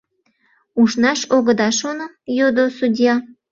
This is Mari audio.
— Ушнаш огыда шоно? — йодо судья.